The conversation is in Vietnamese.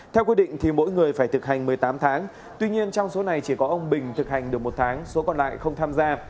theo quy định thì mỗi người phải thực hành một mươi tám tháng tuy nhiên trong số này chỉ có ông bình thực hành được một tháng số còn lại không tham gia